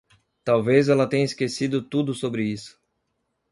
Talvez ela tenha esquecido tudo sobre isso.